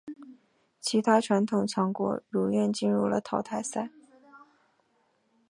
其他传统强国如愿进入了淘汰赛。